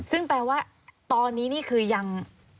ซึ่งแปลว่าตอนนี้นี่คือยัง